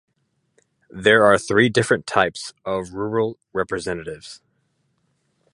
There are three different types of rural representatives.